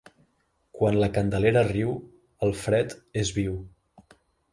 Quan la Candelera riu el fred és viu.